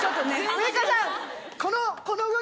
ウイカさん！